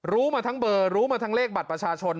รู้มาทั้งเบอร์รู้มาทั้งเลขบัตรประชาชน